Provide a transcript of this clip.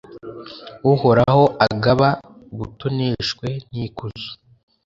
uhoraho agaba ubutoneshwe n'ikuzo